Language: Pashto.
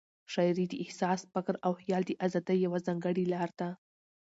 شاعري د احساس، فکر او خیال د آزادۍ یوه ځانګړې لار ده.